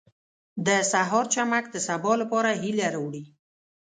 • د سهار چمک د سبا لپاره هیله راوړي.